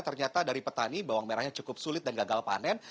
ternyata dari petani bawang merahnya cukup sulit dan gagal panen